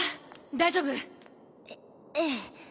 大丈夫？えええ。